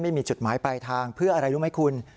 ไม่มีจุดหมายปลายทางเพื่ออะไรรู้ไหมคุณ